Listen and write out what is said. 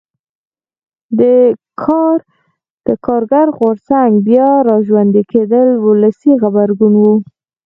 د کارګر غورځنګ بیا را ژوندي کېدل ولسي غبرګون و.